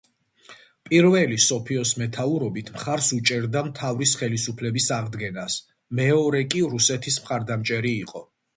პირველი, სოფიოს მეთაურობით, მხარს უჭერდა მთავრის ხელისუფლების აღდგენას, მეორე კი რუსეთის მხარდამჭერი იყო.